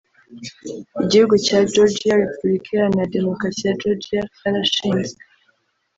Igihugu cya Georgia (Repubulika iharanira Demokarasi ya Georgia) cyarashinzwe